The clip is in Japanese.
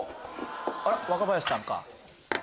あら若林さんが。